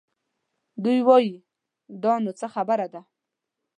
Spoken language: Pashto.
دوی وايي دا نو څه خبره ده؟